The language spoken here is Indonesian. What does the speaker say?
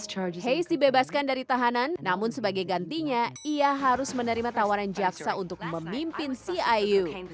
chargi heis dibebaskan dari tahanan namun sebagai gantinya ia harus menerima tawaran jaksa untuk memimpin ciu